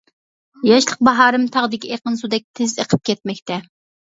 ياشلىق باھارىم تاغدىكى ئېقىن سۇدەك تېز ئېقىپ كەتمەكتە!